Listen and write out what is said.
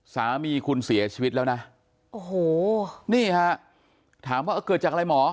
สามีคุณเสียชีวิตแล้วนะโอ้โหนี่ฮะถามว่าเกิดจากอะไรหมอ